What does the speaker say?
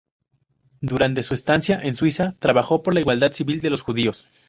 Durante su estancia en Suiza trabajó por la igualdad civil de los judíos.